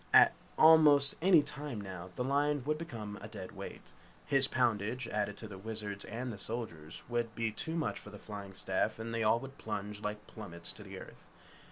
At almost any time now, the lion would become a dead weight. His poundage added to the Wizard's and the Soldier's would be too much for the flying staff and they all would plunge like plummets to the earth.